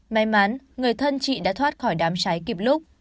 may mắn người thân chị đã thoát khỏi đám cháy kịp lúc